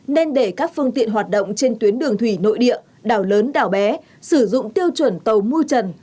nên để các phương tiện hoạt động trên tuyến đường thủy nội địa đảo lớn đảo bé sử dụng tiêu chuẩn tàu mu trần